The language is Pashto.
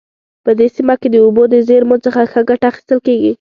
په دې سیمه کې د اوبو د زیرمو څخه ښه ګټه اخیستل کیږي